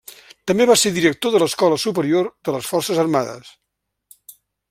També va ser director de l'Escola Superior de les Forces Armades.